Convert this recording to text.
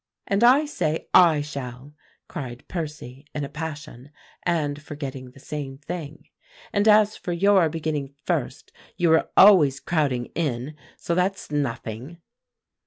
"And I say I shall," cried Percy in a passion and forgetting the same thing; "and as for your beginning first, you are always crowding in, so that's nothing."